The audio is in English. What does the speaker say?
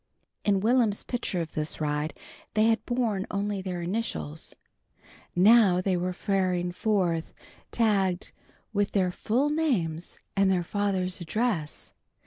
In Will'm's picture of this ride they had borne only their initials. Now they were faring forth tagged with their full names and their father's address.